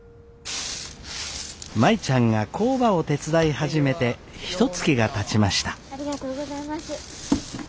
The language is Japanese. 舞ちゃんが工場を手伝い始めてひとつきがたちました。